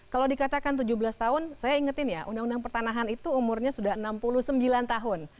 kalau dikatakan tujuh belas tahun saya ingetin ya undang undang pertanahan itu umurnya sudah enam puluh sembilan tahun